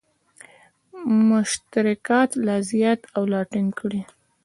مشترکات لا زیات او لا ټینګ کړي.